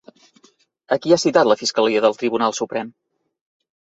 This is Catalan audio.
A qui ha citat la Fiscalia del Tribunal Suprem?